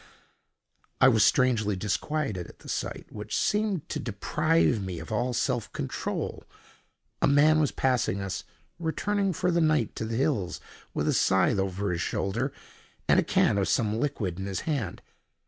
I was strangely disquieted at the sight, which seemed to deprive me of all self control. A man was passing us, returning for the night to the hills, with a scythe over his shoulder and a can of some liquid in his hand.